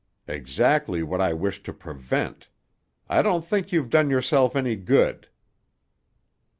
"Exactly what I wished to prevent. I don't think you've done yourself any good."